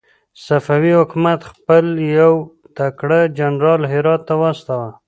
صفوي حکومت خپل يو تکړه جنرال هرات ته واستاوه.